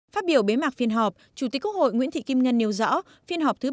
phát biểu bế mạc phiên họp chủ tịch quốc hội nguyễn thị kim ngân nêu rõ